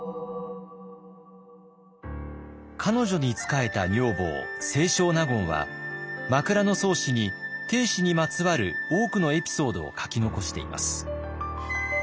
彼女に仕えた女房清少納言は「枕草子」に定子にまつわる多くのエピソードを書き残しています。